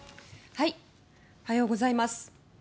おはようございます。